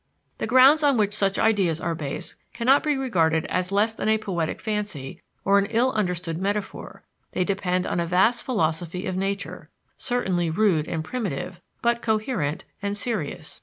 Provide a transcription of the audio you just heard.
The grounds on which such ideas are based cannot be regarded as less than a poetic fancy or an ill understood metaphor; they depend on a vast philosophy of nature, certainly rude and primitive, but coherent and serious.